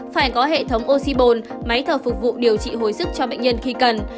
phải có hệ thống oxybôn máy thở phục vụ điều trị hồi sức cho bệnh nhân khi cần